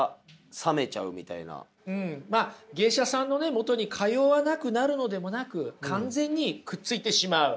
まあ芸者さんのねもとに通わなくなるのでもなく完全にくっついてしまう。